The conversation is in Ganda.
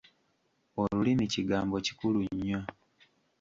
Olulimi kigambo kikulu nnyo.